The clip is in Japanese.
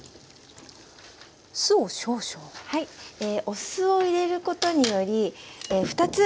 お酢を入れることにより２つ